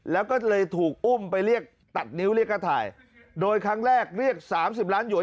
แล้วก็เลยถูกอุ้มไปเรียกตัดนิ้วเรียกกระถ่ายโดยครั้งแรกเรียกสามสิบล้านหยวน